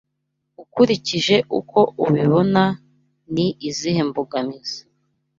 Ukurikije uko ubibona ni izihe mbogamizi